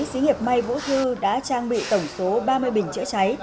xí nghiệp may vũ thư đã trang bị tổng số ba mươi bình chữa cháy